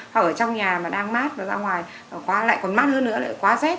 hoặc ở trong nhà mà đang mát và ra ngoài quá lại còn mát hơn nữa lại quá rét